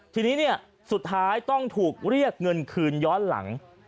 ทีนี้เนี่ยสุดท้ายต้องถูกเรียกเงินคืนย้อนหลัง